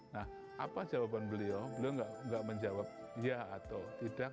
nah apa jawaban beliau beliau enggak menjawab iya atau tidak